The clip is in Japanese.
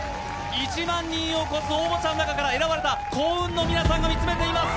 １万人を超す応募者の中から選ばれた幸運の皆さんが見つめています。